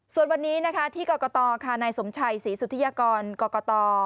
ส่วนวันนี้นะคะที่กรกตค่ะนายสมชัยศรีสุธิยากรกรกต